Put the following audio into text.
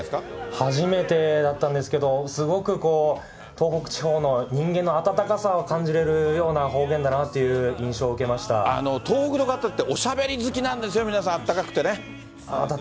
初めてだったんですけど、すごくこう、東北地方の人間の温かさを感じれる方言だなという印象を受けまし東北の方っておしゃべり好きなんですよね、皆さん、あったかくてね。